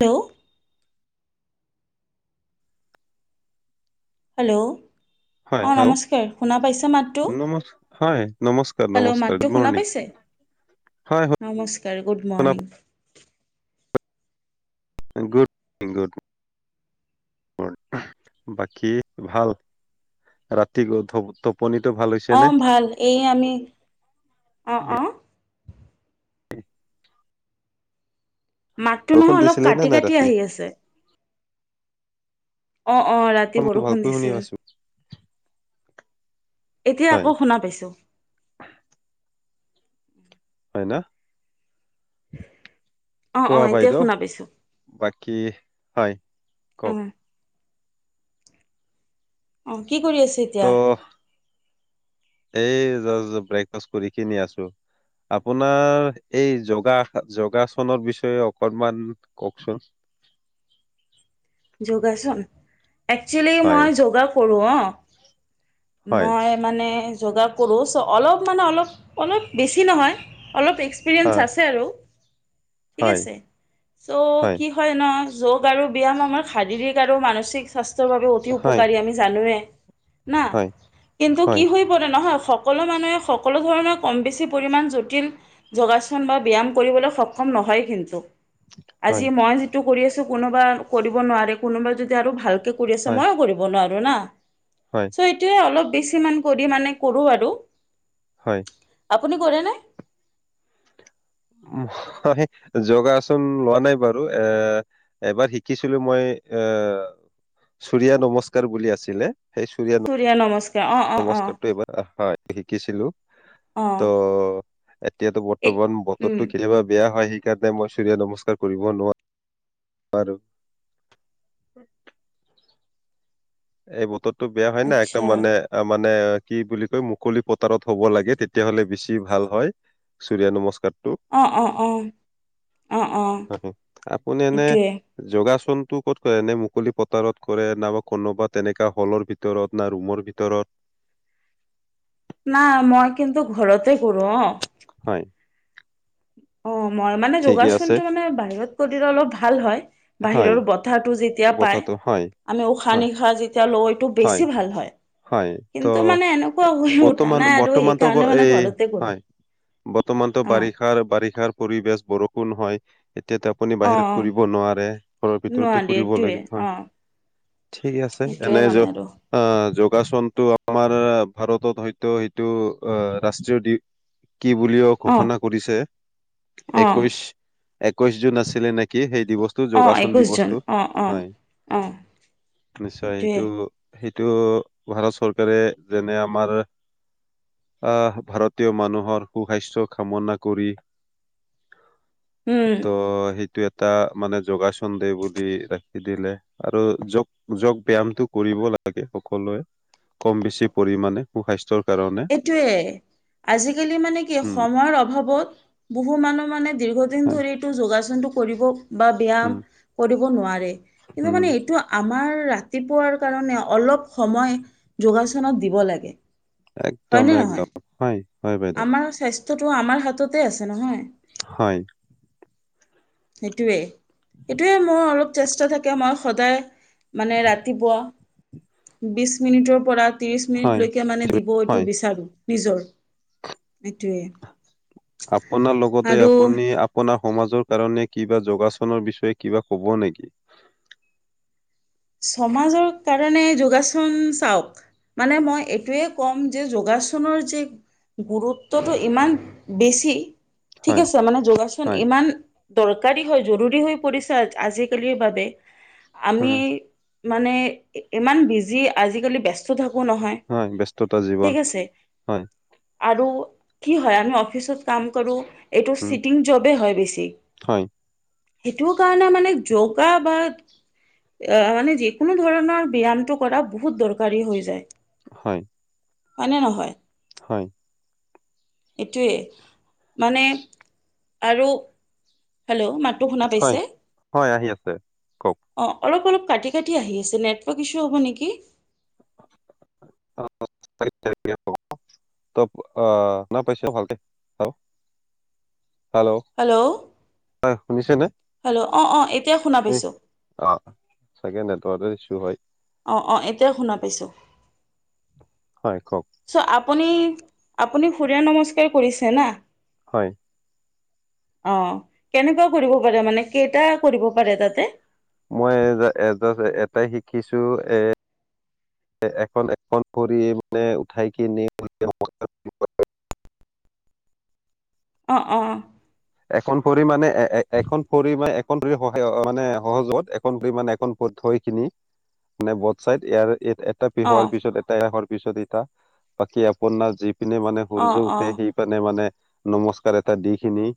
Hello. Hello. হয় অ, hello নমস্কাৰ শুনা পাইছে মাতটো, নমস্ হয় নমস্কাৰ হেল্ল' নমস্কাৰ মাতটো গুড শুনা মৰ্ণিং পাইছে? হয় হয় নমস্কাৰ, গুড শুনা মৰ্ণিং। গুড-গুড। বাকী ভাল, ৰাতি গধপ অঁ, ভাল, এই আমি অ, অ। [inaudible] মাতটো বৰষুণ নহয় অলপ দিছিলে নে নাই কাটি-কাটি ৰাতি আহি আছে। অ, অ, ৰাতি ফোনটো বৰষুণ ভালকৈ শুনি দিছিল। আছো এতিয়া হয় আকৌ শুনা পাইছোঁ। হয় না? [inaudible] অঁ কোৱা এতিয়া বাইদেউ, শুনা পাইছোঁ বাকী হয়, অঁ কওক। অ, কি কৰি আছে ত' এতিয়া? এই য ব্ৰেকফাষ্ট কৰি কিনি আছো। আপোনাৰ এই যোগা যোগাসনৰ বিষয়ে অকণমান কওকচোন। [inaudible] যোগাচোন? একচুৱেলি হয় মই যোগা কৰোঁ অ। হয় মই মানে যোগা কৰোঁ চ' অলপ মানে অলপ, অলপ বেছি নহয়। অলপ হা এক্সপিৰিয়েঞ্চ আছে আৰু ঠিক হয় আছে, চ' কি হয় ন যোগ আৰু ব্যায়াম আমাৰ শাৰীৰিক আৰু মানসিক স্বাস্থ্যৰ বাবে অতি হয় উপকাৰী আমি জানোৱে। নাহ, হয় কিন্তু হয় কি হৈ পৰে নহ সকলো মানুহে সকলো ধৰণে কম বেছি পৰিমাণ জটিল যোগাসন বা ব্যায়াম কৰিবলৈ সক্ষম নহয় কিন্তু। আজি হয়, মই যিটো কৰি আছো কোনোবা কৰিব নোৱাৰে, কোনোবা যদি আৰু ভাল কৰি আছ হয়, মইও কৰিব নোৱাৰো না, হয়, চ' এইটোয়ে অলপ বেছিমান কৰি মানে কৰোঁ আৰু। হয়। আপুনি কৰেনে? অ হহে যোগাসন লোৱা নাই বাৰু, এ এবাৰ শিকিছিলো মই এ আ চুৰিয়া নমস্কাৰ বুলি আছিলে। সেই সূৰ্য চুৰিয়া নমস নমস্কাৰটো এইবাৰ হয়, শিকিছিলো অ' তৌ এতিয়াতো এই বৰ্তমান উম, বতৰটো কেতিয়াবা বেয়া হয়। ইয়াতে মই চূৰিয় নমস্কাৰ কৰিব নোৱা আৰো [inaudible] এই বতৰটো বেয়া হয় না, একদম আচ্ছা মানে আমা নে কি বুলি কয় মুকলি পতাৰত হ'ব লাগে, তেতিয়াহলে বেছি ভাল হয়। চুৰিয়া নমস্কাৰ। অ অ অ অ অ আপুনি এনে এইটোৱে যোগাচন টো ক'ত হয় এনে মুকলি পতাৰত কৰে নাইবা কনোবাত তেনেকা হলৰ ভিতৰত, না ৰুমৰ ভিতৰত। না মই কিন্তু ঘৰতে কৰো অ। হয়। অ, মই মানে ঠিকে আছে। যোগাসনটো মানে বাহিৰত কৰি দিলে অলপ ভাল হয়। হয়, বাহিৰৰ বতাহটো যেতিয়া পাই কথাটো হয়, আমি উশাহ হয়, নিশাহ যি লও এটো হয়, বেছি ভাল হয়। হয়। ত' কিন্তু মানে এনেকুৱা হৈ উঠা বৰ্তমান নাই আৰু বৰ্তমানতো হেইকাৰণে ব- মানে এই ঘৰতে কৰো। হয়, বৰ্তমানতো অ বাৰিষাৰ বাৰিষাৰ পৰিবেশ বৰষুণ হয়। এতিয়াতো আপুনি অ বাহিৰত অ ঘূৰিব নোৱাৰে ঘৰৰ ভিতৰতে নোৱাৰি ঘূৰিব এইটোৱে লাগি অ হয়। ঠিক আছে সেইটোৱে এনে য মানে আৰু অ, য নিৰ্বাচনটো আমাৰ ভাৰতত হয়তো হেইটো ৰাষ্ট্ৰীয় দি কি বুলিও অ ঘোষণা কৰিছে অ একৈশ একৈশ জুন আছিলে নেকি সেই দি বস্তু অ যোগাসন দি একৈশ জন বস্তু অ অ হয় অ নিশ্চয় সেইটোৱে এইটো সেইটো ভাৰত চৰকাৰে যেনে আমাৰ আহ ভাৰতীয় মানুহৰ সুসাস্য কামনা কৰি উম ত' হেইটো এটা টা মানে যোগাসন দে বুলি ৰাখি দিলে আৰু যোগ যোগ ব্যামটো কৰিব লাগে সকলোৱে কম বেছি পৰিমাণে সু স্বাস্থ্যৰ এইটোৱেই আজিকালি মানে কি উম সময়ৰ অভাৱত বহু মানুহ মানে দীৰ্ঘদিন হয় ধৰি এইটো যোগাসনটো কৰিব বা ব্যায়াম উম কৰিব নোৱাৰে কিন্তু উম মানে এইটো আমাৰ ৰাতিপুৱাৰ কাৰণে অলপ সময় যোগাসনত দিব লাগে। একদম হয়নে একদম নহয় হয় হয় বাইদেউ আমাৰ স্বাস্থ্যটো আমাৰ হাততে আছে নহয়। হয়। সেইটোৱে সেইটোৱে মই অলপ চেষ্টা থাকে মই সদায় মানে ৰাতিপুৱা বিশ মিনিটৰ পৰা ত্ৰিশ হয় মিনিটলৈকে মানে দিব ঐ হয় নিজৰ এইটোৱে আপোনাৰ লগতে আৰু আপুনি আপোনাক সমাজৰ কাৰণে কিবা যোগাচনৰ বিষয়ে কিবা ক'ব নেকি? সমাজৰ কাৰণে যোগাসন চাওক মানে মই এইটোৱে ক'ম যে যোগাসনৰ যে গুৰুত্বটো ইমান বেছি ঠিক হয়, আছে মানে যোগাচন হয়, ইমান দৰকাৰী হয় জৰুৰী হৈ পৰিছে আ, আজিকালিৰ বাবে আমি হয়, মানে ইমান বিজি আজিকালি ব্যস্ত থাকো নহয় হয়, ব্যস্ততা জীৱন। ঠিকআছে। হয়, আৰু কি হয় আমি অফিচত কাম কৰোঁ। এইটো উম, চিটিং জবে হয় বেছি হয়, সেইটো কাৰণে মানে যৌগা বা মানে যিকোনো ধৰণৰ ব্যায়ামটো কৰা বহুত দৰকাৰী হৈ যায়। হয়। হয়নে নহয়? হয়। এইটোৱে মানে আৰু হেল্ল' মাততো শুনা হয়, পাইছে হয়, আহি আছে। কওক অ' অলপ অলপ কাটি কাটি আহি আছে নেটৱৰ্ক ইছু হ'ব নেকি? অ', ত' আ, শুনা পাইছোঁ ভালকে হেল্ল' হয় শুনিছে নে হেল্ল' অ' অ' এতিয়া শুনা পাইছোঁ। অ', চাগে নেটৱৰ্ক ইছ্যু। হয়। অ', অ', এতিয়া শুনা পাইছোঁ। হয় কওক। চ' আপুনি আপুনি সূৰয় নমস্কাৰ কৰিছে না? হয়। অ', কেনেকুৱা কৰিব পাৰে মানে কেইটা কৰিব পাৰে তাতে? মই এ এটাই শিকিছোঁ এ এখন এখন কৰি মানে উঠাই কি নি [inaudible] অ' অ'। এখন পৰি মানে এ এখন পৰি মানে এখন ভৰি সহায় মানে সহযোগত এখন মানে এ থৈ খিনি মানে বট চাইড ইয়াৰ এ এটা অ' পিহোৱাৰ পিছত এটা এৰাশৰ পিছত এটা বাকী আপোনাৰ যি পিনে মানে অ' সূৰ্য উঠে অ' সি পিনে মানে নমস্কাৰ এটা দি খিনি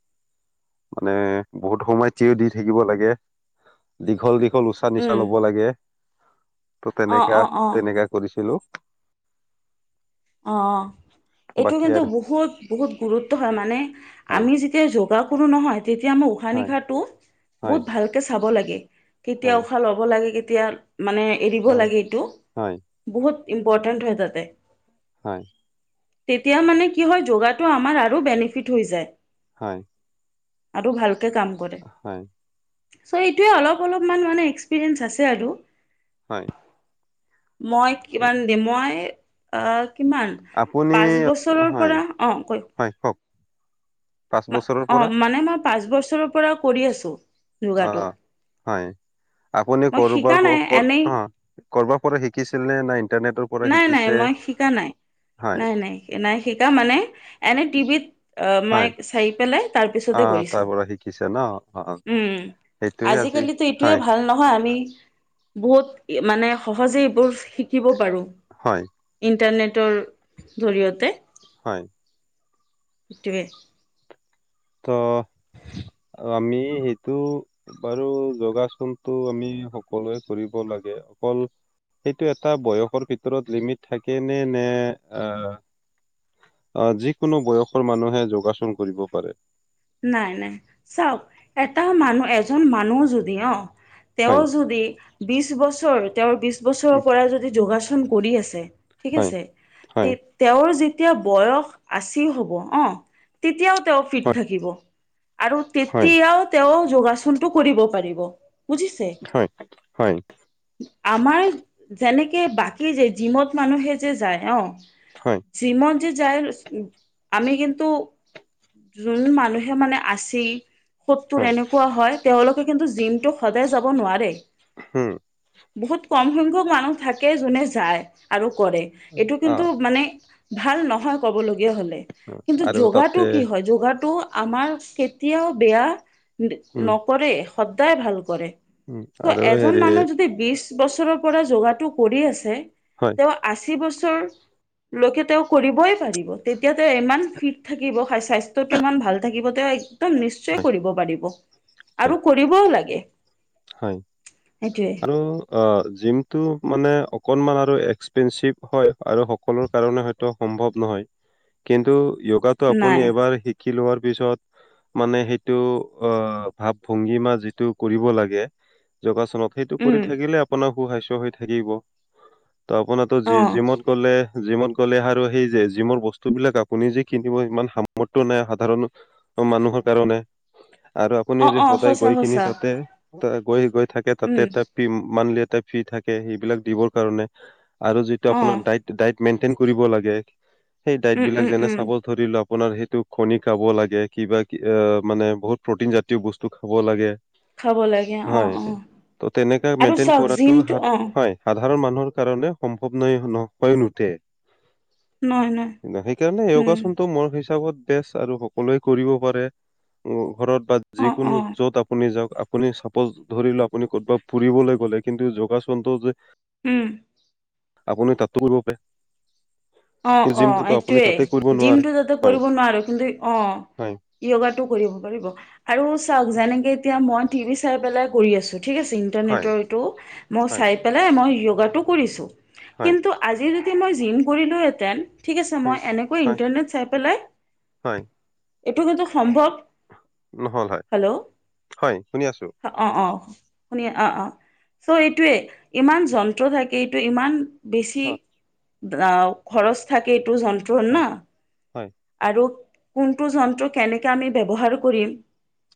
মানে বহুত সময় থিয় দি থাকিব লাগে। দীঘল দী ল উশাহ নিশাহ উম, ল'ব লাগে। ত' অ' তেনেকা অ' অ' তেনেকা কৰিছিলো। অ'। এইটো বাকী কিন্তু আৰু বহুত বহুত গুৰুত্ব হয় মানে হয় আমি যেতিয়া যোগা কৰোঁ নহয় তেতিয়া মই উশাহ হয় নিশাৰটো হয় বহুত ভালকে চাব লাগে। কেতিয়া হয় উশাহ ল'ব লাগে কেতিয়া মানে এৰিব হয় লাগে এইটো হয় বহুত ইম্পৰ্টেণ্ট হয় তাতে। হয় তেতিয়া মানে কি হয় যোগাটো আমাৰ আৰু বেনিফিট হৈ যায়। হয়। আৰু ভালকে কাম কৰে। চ' এইটোৱে অলপ অলপমান মানে এক্সপিৰিয়েন্ঞ্চ আছে আৰু। হয় মই হয় কিমান দিম মই আহ কিমান আপুনি পাঁচ বছৰৰ হয় পৰা অ কৈ হয় কওক পাঁচ বছৰৰ অ পৰা মানে মই পাঁচ বছৰৰ পৰা কৰি আছো, যোগাটো। আহ হয়। আপুনি মই শিকা কৰবাৰ অ নাই এনেই কৰবাৰ পৰা শিকিছিল নে না ইন্টাৰনেটৰ পৰা নাই নাই শিকিছে? মই শিকা নাই হয় নাই নাই নাই শিকা মানে এনে টিভিত অ মই হয় অ তাৰপিছতে কৰিছো, তাৰ পৰা শিকিছে ন অ উম সেইটোয়ে আজি আজিকালিতো এইটোয়ে হয় ভাল নহয় আমি [unintelligible] বহুত মানে সহজে এইবোৰ শিকিব পাৰো হয় ইণ্টাৰনেট তৰ জৰিয়তে। হয়। [unintelligible] ত আমি সেইটো বাৰু যোগাসনটো আমি সকলোৱে কৰিব লাগে সেইটো এটা বয়সৰ ভিতৰত লিমিট থাকে নে নে আ আহ যিকোনো বয়সৰ মানুহে যোগাসন কৰিব পাৰে। নাই নাই চাওক এটা মানুহ এজন মানুহ যদি অ' তেওঁ হয় যদি বিছ বছৰ তেওঁৰ বিছ বছৰৰ উম, পৰা যদি যোগা চন কৰি আছে ঠিক হয় আছে তে হয় তেওঁৰ যে তেতিয়া বয়স আচী হ'ব অ, তেতিয়াও তেওঁ ফিট হয় থাকিব আৰু হয় তেতিয়াও তেওঁ যোগাচনটো কৰিব পাৰিব। বুজিছে হয় হয় আমাৰ যেনেক কে বাকী যে জিমত মানুহে যে যায় অ, হয়, জিমত যে যাই উম, আমি কিন্তু যোন মানুহে মানে আছেই সত্তোৰ হয়, এনেকুৱা হয় তেওঁলোকে কিন্তু জিমটো সদায় যাব নোৱাৰে উম, বহুত কম সংখ্যক মানুহ থাকে যোনে যায় আৰু কৰে এইটো কিন্তু অ', মানে ভাল নহয় ক'বলগ য় হলে কিন্তু আৰু যোগাটো তাতে কি হয় যোগাটো আমাৰ কেতিয়াও বেয়া উম, নকৰে সদায় ভাল কৰে উম, ত' আৰু এজন হেৰি মানুহ যদি বিছ বছৰত পৰা যোগাটো কৰি আছে, হয়, তেওঁ আশী বছৰ তেওঁ, লকে তেওঁ কৰিবই পাৰিব, তেতিয়া তেওঁ ইমান ফিট থাকিব স্বাস্থ টো ইমান ভাল থাকিব। তেওঁ একদম নিশ্চয় হয়, কৰিব পাৰিব আৰু কৰিবও লাগে। হয় সেইটোৱে আৰু জিমটো মানে অ অকণমান আৰু এক্সপেঞ্চিভ হয় আৰু সকলো কাৰণে হয়তো সম্ভৱ নহয় কিন্তু য়গাটো আপুনি নাই এবাৰ শিক শিকি লোৱাৰ পিছত, মানে সেইটো অহ, ভাৱ ভংগি মা যিটো কৰিব লাগে যোগাসনত সেইটো কৰি উম থাকিলে আপোনাৰ সু-স্বাস্থ্য হৈ থাকিব। ত' আপোনাৰো অ জি জিমত গ'লে জিমত আৰু সেই যে জিমোৰ বস্তু বিলাক আপুনি যে কিনিব ইমান সামৰ্থ্য নাই। সাধাৰণ মানুহ কাৰণে। [inaudible] আৰু আপুনি অ যদি অ সদায় সঁচা গৈ কিনি সঁচা তাতে, গৈ গৈ থাকে তাতে উম এটা মানলি এটা ফ্ৰী থাকে সেইবিলাক দিবৰ কাৰণে, আৰু যিটো অ আপোনাৰ দাইট দাইট মেইট্ৰেন কৰিব লাগে, সেই দাইট উম বিলাক উম যেনে উম চাব ধৰিলক আপোনাৰ সেইটো কণি খাব লাগে, কিবা অহ, মানে বহুত প্ৰটিন জাতীয় বস্তু খাব লাগে। খাব লাগে অ হয়। অ ত' তেনে আৰু মেইট্ৰেন চাওক কৰা জিমটো হাত অ হয়। সাধাৰণ মানুহৰ কাৰনে সম্ভৱ নৈ ন হৈ নুঠে। নহয় নহয় সেইকাৰণে উম য়গাচনটো মোৰ হিচ হিচাপত বেষ্ট আৰু সকলোৱে কৰিব পাৰে, ঘৰত বা অ অ যিকোনো য'ত আপুনি যাওঁক আপুনি চাপৰ্জ ধৰিলো আপুনি ক'তবাত ফুবলৈ গ'লে কিন্তু যোগাচনটো যে উম'। আপুনি তাতো কৰিব পাৰে। অহ', কিন্তু অহ' জিমটোতো আপুনি তাতে কৰিব এইটোৱেই নোৱাৰে। জিমটো যাতে হয় কৰিব নোৱাৰো কিন্তু অহ। হয় য়গাটো কৰিব পাৰিব আৰু চাওঁক যেনেকে এতিয়া মই টিভি চাই পেলাই কৰি আছো। ঠিক আছে হয় ইণ্টাৰনেটৰ এইটো, মই হয় চাই পেলাই মই য়গাটো কৰিছোঁ। হয় কিন্তু আজি যদি মই জিম কৰিলোহেঁতেন ঠিক আছে উম মই এনেকৈ হয় ইণ্টাৰনেট চাই পেলাই হয় এইটো কিন্তু সম্ভৱ। নহ'ল হয় হেল্ল'। হয় শুনি আছো অহ', অহ'। শুনিয অহ', অহ' চ' এইটোৱে ইমান যন্ত্ৰ থাকে এইটো ইমান বেছি হয় অহ, খৰচ থাকে এইটো যন্ত্ৰণ না হয় হয় আৰু কোনটো যন্ত্ৰ কেনেকৈ আমি ব্যৱহাৰ কৰিম,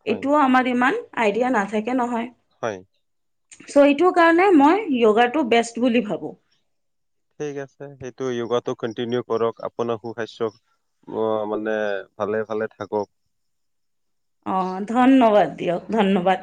হয় এইটোও আমাৰ ইমান আইডিয়া নাথাকে নহয়। হয়। চ' এইটো কাৰণে মই য়োগাটো বেষ্ট বুলি ভাবোঁ। ঠিক আছে সেইটো য়োগাটো কন্টিনিউ কৰক আপোনাৰ সু-স্বাস্থ্যৰ অহ' মানে ভালে ভালে থাকক। অহ' ধন্যবাদ দিয়ক ধন্যবাদ।